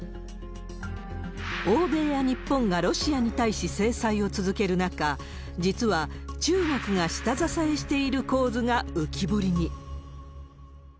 欧米や日本がロシアに対し制裁を続ける中、実は中国が下支えしている構図が浮き彫りに。